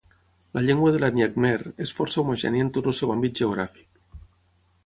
La llengua de l'ètnia khmer és força homogènia en tot el seu àmbit geogràfic.